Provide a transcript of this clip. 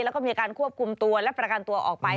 แล้วก็มีการควบคุมตัวและประกันตัวออกไป